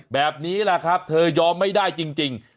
แบบนี้แหละครับเธอยอมไม่ได้จริง